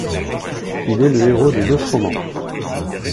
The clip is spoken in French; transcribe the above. Il est le héros de neuf romans.